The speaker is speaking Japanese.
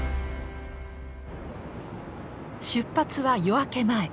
出発は夜明け前。